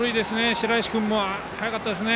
白石君も速かったですね。